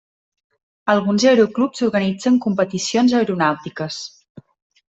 Alguns aeroclubs organitzen competicions aeronàutiques.